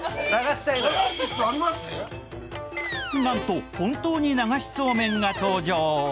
なんと本当に流しそうめんが登場